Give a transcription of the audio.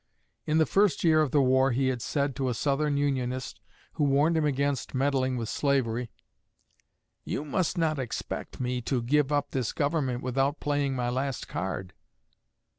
In the first year of the war he had said to a Southern Unionist, who warned him against meddling with slavery, "_You must not expect me to give up this Government without playing my last card.